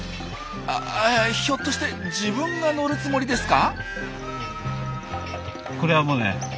あひょっとして自分が乗るつもりですか？